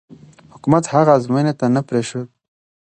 حکومت هغه ازموینې ته نه پرېښود.